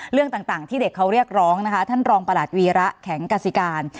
เรื่องต่างที่เด็กเขาเรียกร้องนะคะท่านรองประหลัดวีระแข็งกษิการ